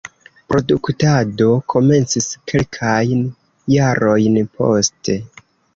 Produktado komencis kelkajn jarojn poste.